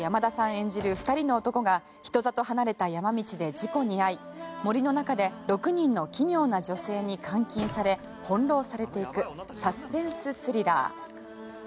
演じる２人の男が人里離れた山道で事故に遭い森の中で６人の奇妙な女性に監禁され翻弄されていくサスペンススリラー。